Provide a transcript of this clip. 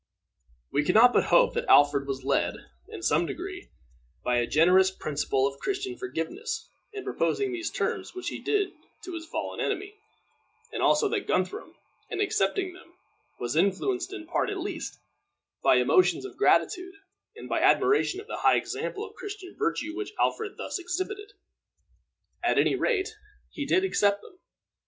We can not but hope that Alfred was led, in some degree, by a generous principle of Christian forgiveness in proposing the terms which he did to his fallen enemy, and also that Guthrum, in accepting them, was influenced, in part at least, by emotions of gratitude and by admiration of the high example of Christian virtue which Alfred thus exhibited. At any rate, he did accept them.